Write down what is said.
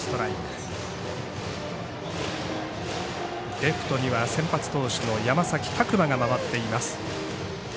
レフトには先発投手の山崎琢磨が回っています。